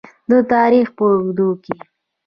د تاریخ په اوږدو کې.